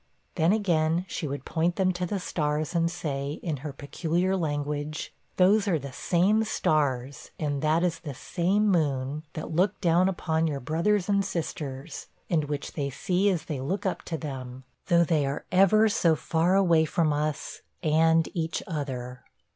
Then again, she would point them to the stars, and say, in her peculiar language, 'Those are the same stars, and that is the same moon, that look down upon your brothers and sisters, and which they see as they look up to them, though they are ever so far away from us, and each other.'